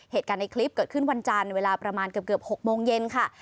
เหตุการณ์ในคลิปเกิดขึ้นวันจันทร์เวลาประมาณเกือบ๖โมงเย็นค่ะ